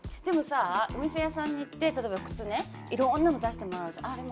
でもさぁお店屋さんに行って例えば靴ねいろんなの出してもらうじゃん。